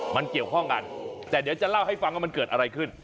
มันเกี่ยวข้องกันแต่เดี๋ยวจะเล่าให้ฟังว่ามันเกิดอะไรขึ้น